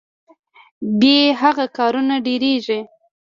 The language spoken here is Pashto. بې هغه کارونه دریږي.